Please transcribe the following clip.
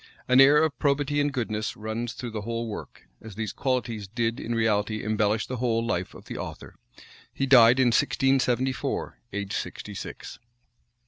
An air of probity and goodness runs through the whole work; as these qualities did in reality embellish the whole life of the author. He died in 1674, aged sixty six.